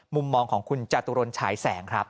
มุมมองของคุณจตุรนฉายแสงครับ